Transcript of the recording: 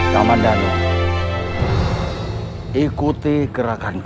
kaman danu ikuti gerakanku